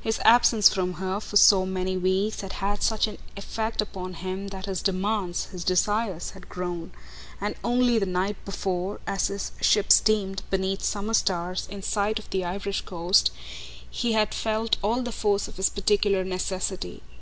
His absence from her for so many weeks had had such an effect upon him that his demands, his desires had grown; and only the night before, as his ship steamed, beneath summer stars, in sight of the Irish coast, he had felt all the force of his particular necessity.